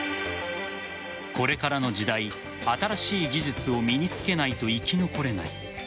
これからの時代新しい技術を身につけないと生き残れない。